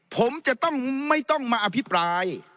ผมจะต้องไม่ต้องมาอภิปราย